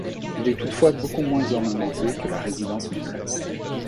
Il est toutefois beaucoup moins ornementé que la résidence maîtresse.